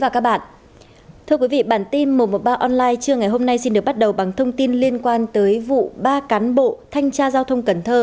cảm ơn các bạn đã theo dõi